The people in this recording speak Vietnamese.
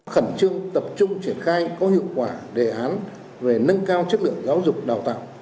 khẩn trương tập trung triển khai có hiệu quả đề án về nâng cao chất lượng giáo dục đào tạo